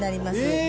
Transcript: え！